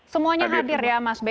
semuanya hadir ya mas b